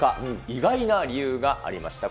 意外な理由がありました。